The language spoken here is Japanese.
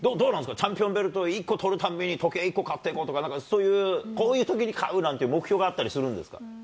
チャンピオンベルト１個とるたんびに、時計１個買ってこうとか、そういうこういうときに買うなんて目標があったりするんですか？